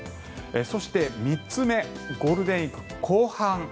そして３つ目ゴールデンウィーク後半。